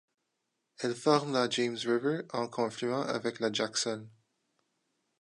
Elle forme la James River en confluant avec la Jackson.